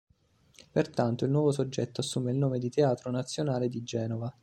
Pertanto il nuovo soggetto assume il nome di "Teatro Nazionale di Genova".